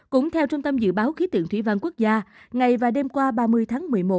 cũng theo trung tâm dự báo khí tượng thủy văn quốc gia ngày và đêm qua ba mươi tháng một mươi một